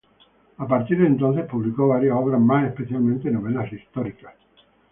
A partir de entonces, publicó varias obras más, especialmente novelas históricas.